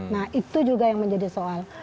nah itu juga yang menjadi soal